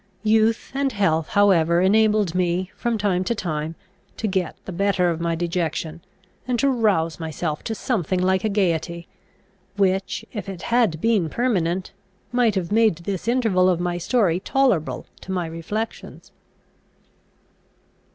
Youth and health however enabled me, from time to time, to get the better of my dejection, and to rouse myself to something like a gaiety, which, if it had been permanent, might have made this interval of my story tolerable to my reflections.